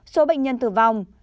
số bệnh nhân tử vong